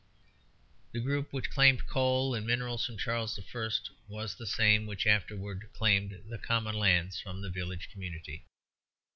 The group which claimed coal and minerals from Charles I. was the same which afterward claimed the common lands from the village communities.